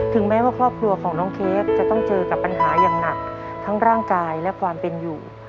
แม้ว่าครอบครัวของน้องเค้กจะต้องเจอกับปัญหาอย่างหนักทั้งร่างกายและความเป็นอยู่